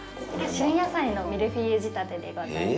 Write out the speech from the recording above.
旬野菜のミルフィーユ仕立てでございます。